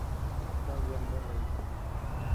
আপনার জন্য নেই।